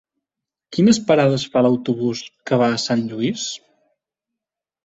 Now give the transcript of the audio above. Quines parades fa l'autobús que va a Sant Lluís?